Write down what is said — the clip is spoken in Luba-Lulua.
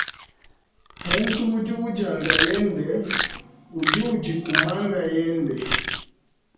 Muntu udi udia nkayende udi udikuma nkayende.